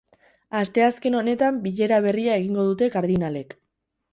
Asteazken honetan bilera berria egingo dute kardinalek.